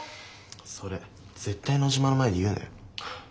それ絶対野嶋の前で言うなよ。